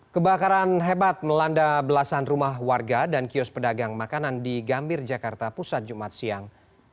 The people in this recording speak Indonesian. kebakaran hebat melanda belasan rumah warga dan kios pedagang makanan di gambir jakarta pusat jumat siang